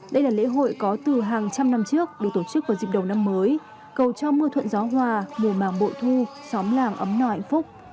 đây là lễ hội có từ hàng trăm năm trước được tổ chức vào dịp đầu năm mới cầu cho mưa thuận gió hòa mùa màng bội thu xóm làng ấm no hạnh phúc